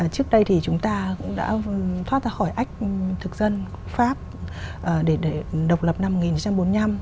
trước đây thì chúng ta cũng đã thoát ra khỏi ách thực dân pháp để độc lập năm một nghìn chín trăm bốn mươi năm